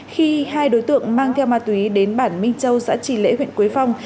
khi hai đối tượng mang theo ma túy đến bản minh châu xã tri lễ huyện quế phong